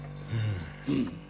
うん。